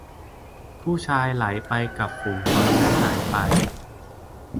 ผู้ชายไหลไปกับฝูงชนและหายไป